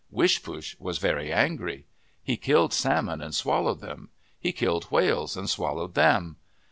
Wishpoosh was very angry. He killed salmon and swallowed them. He killed whales and swal lowed them.